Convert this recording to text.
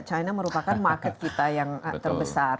china merupakan market kita yang terbesar